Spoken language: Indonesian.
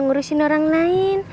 ngurusin orang lain